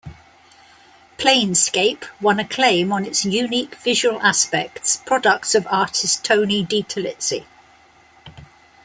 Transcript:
"Planescape" won acclaim on its unique visual aspects, products of artist Tony DiTerlizzi.